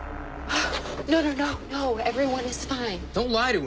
あっ！